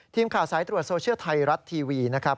ทีมข่าวสายตรวจโซเชียลไทยรัฐทีวีนะครับ